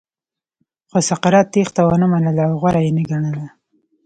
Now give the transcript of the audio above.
خو سقراط تېښته ونه منله او غوره یې نه ګڼله.